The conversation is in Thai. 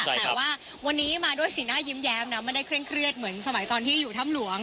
แต่ว่าวันนี้มาด้วยสีหน้ายิ้มแย้มนะไม่ได้เคร่งเครียดเหมือนสมัยตอนที่อยู่ถ้ำหลวง